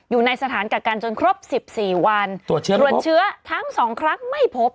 อยู่ในสถานกัดการณ์จนครบ๑๔วันตรวจเชื้อทั้ง๒ครั้งไม่พบ